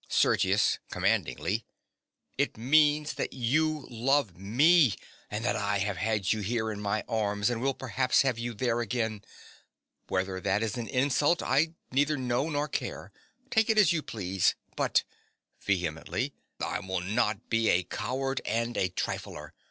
SERGIUS. (commandingly). It means that you love me, and that I have had you here in my arms, and will perhaps have you there again. Whether that is an insult I neither know nor care: take it as you please. But (vehemently) I will not be a coward and a trifler.